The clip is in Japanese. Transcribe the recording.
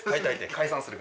「解散する」。